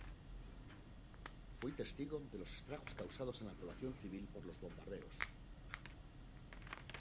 Fue testigo de los estragos causados en la población civil por los bombardeos.